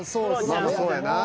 まあまあそうやな。